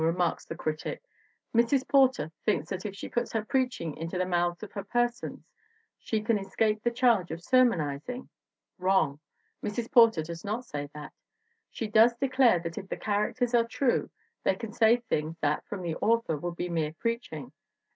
remarks the critic, Mrs. Porter thinks that if she puts her preaching into the mouths of her persons she can escape the charge of sermonizing. Wrong. Mrs. Porter does not say that. She does declare that if the characters are true they can say things that, from the author, would be mere preach ing.